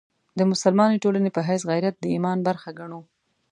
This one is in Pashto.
د مسلمانې ټولنې په حیث غیرت د ایمان برخه ګڼو.